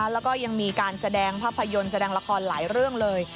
แล้วก็ยังมีการแสดงภาพยนตร์แสดงละครหลายเรื่องเลย